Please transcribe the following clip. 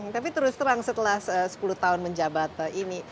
tapi terus terang setelah sepuluh tahun menjabat ini